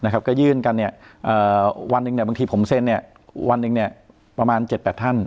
ก็ยื่นกันวันหนึ่งบางทีผมเซ็นวันหนึ่งประมาณ๗๘ท่าน